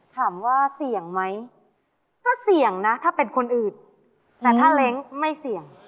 ถามว่าเสี่ยงไหมก็เสี่ยงนะถ้าเป็นคนอื่นแต่ถ้าเล้งไม่เสี่ยง